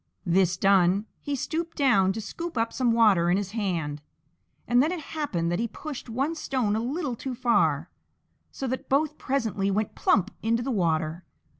This done, he stooped down to scoop up some water in his hand, and then it happened that he pushed one stone a little too far, so that both presently went plump into the water.